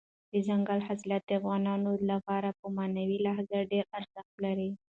دځنګل حاصلات د افغانانو لپاره په معنوي لحاظ ډېر ارزښت لري.